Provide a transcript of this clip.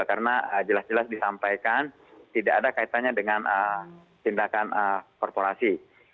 karena jelas jelas disampaikan tidak ada kaitannya dengan tindakan korporasi